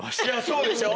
そうでしょ？